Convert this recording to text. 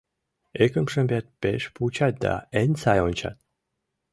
Икымшым вет пеш вучат да эн сай ончат.